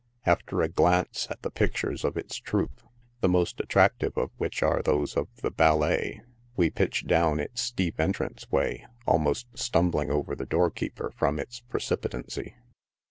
After a glance at the ^piCtures of its troupe, the most attractive of which are those of the " ballet," we pitch down its steep entrance way, almost stumbling over the door keeper from its precipitancy.